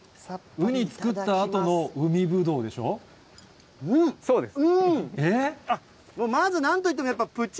ウニ作ったあとの、海ぶどうそうです。